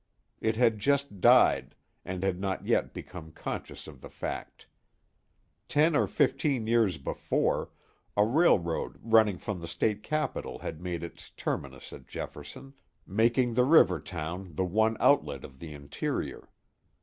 It had just died, and had not yet become conscious of the fact. Ten or fifteen years before, a railroad running from the State capital had made its terminus at Jefferson, making the river town the one outlet of the interior.